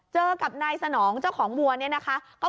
เจอกับนายสนองเจ้าของวัวเนี่ยนะคะ